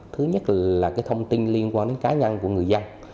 thứ nhất là thông tin liên quan đến cá nhân của người dân